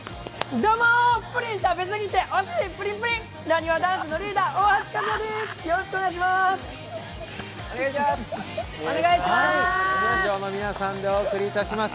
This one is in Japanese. どうも、プリン食べすぎてお尻ぷりぷりなにわ男子のリーダー、大橋和也です。